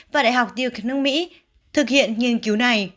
và đại học duke nước mỹ thực hiện nghiên cứu này